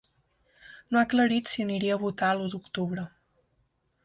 No ha aclarit si aniria a votar l’u d’octubre.